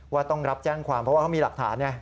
ต้องรับแจ้งความเพราะว่าเขามีหลักฐานไง